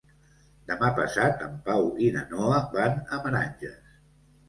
Demà passat en Pau i na Noa van a Meranges.